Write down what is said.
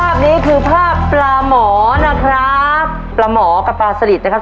ภาพนี้คือภาพประหมอนะครับ